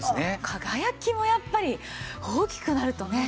輝きもやっぱり大きくなるとね